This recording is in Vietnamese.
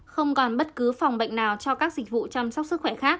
không còn bất cứ phòng bệnh nào cho các dịch vụ chăm sóc sức khỏe khác